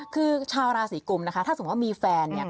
คือชาวราศีกุมนะคะถ้าสมมุติว่ามีแฟนเนี่ย